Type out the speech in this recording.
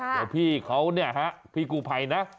เดี๋ยวพี่เขาเนี่ยฮะพี่กู้ภัยนะ